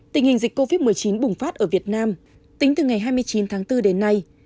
tình hình dịch covid một mươi chín bùng phát ở việt nam tính từ ngày hai mươi chín tháng bốn đến nay